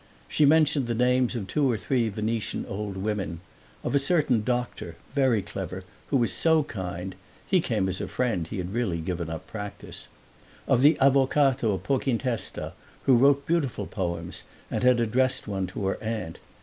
She mentioned the names of two or three Venetian old women; of a certain doctor, very clever, who was so kind he came as a friend, he had really given up practice; of the avvocato Pochintesta, who wrote beautiful poems and had addressed one to her aunt.